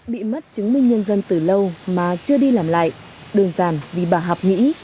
bị mất chứng minh nhân dân từ lâu mà chưa đi làm lại đơn giản vì bà học mỹ